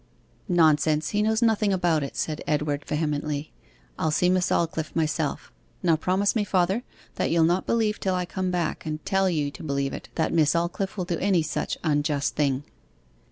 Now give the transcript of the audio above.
'Nonsense; he knows nothing about it,' said Edward vehemently. 'I'll see Miss Aldclyffe myself. Now promise me, father, that you'll not believe till I come back, and tell you to believe it, that Miss Aldclyffe will do any such unjust thing.